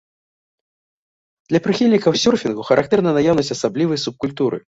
Для прыхільнікаў сёрфінгу характэрна наяўнасць асаблівай субкультуры.